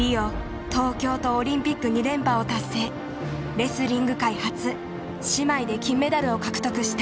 レスリング界初姉妹で金メダルを獲得した。